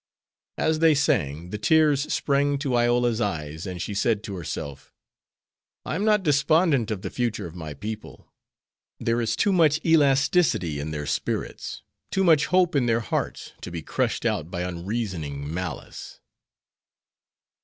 As they sang, the tears sprang to Iola's eyes, and she said to herself, "I am not despondent of the future of my people; there is too much elasticity in their spirits, too much hope in their hearts, to be crushed out by unreasoning malice."